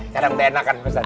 kadang kadang enak kan ustadz